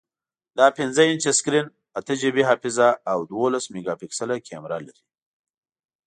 دا پنځه انچه سکرین، اته جی بی حافظه، او دولس میګاپکسله کیمره لري.